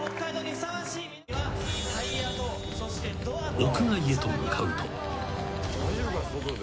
［屋外へと向かうと］